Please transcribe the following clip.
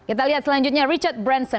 kita lihat selanjutnya richard branson